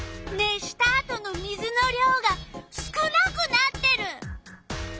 熱したあとの水の量が少なくなってる。